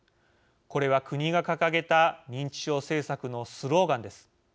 これは国が掲げた認知症政策のスローガンです。